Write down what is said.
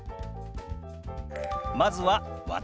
まずは「私」。